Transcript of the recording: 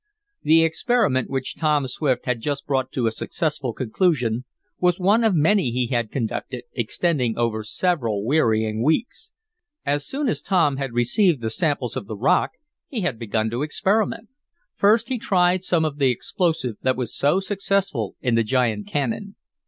The experiment which Tom Swift had just brought to a successful conclusion was one of many he had conducted, extending over several wearying weeks. As soon as Tom had received the samples of the rock he had begun to experiment. First he tried some of the explosive that was so successful in the giant cannon.